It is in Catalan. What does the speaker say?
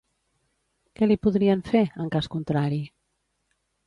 Què li podrien fer, en cas contrari?